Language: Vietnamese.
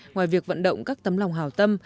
ngoài việc vận động các tấm lòng hào tâm